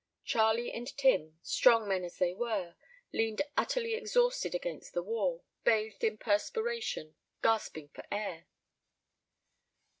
Charlie and Tim, strong men as they were, leaned utterly exhausted against the wall, bathed in perspiration, gasping for air.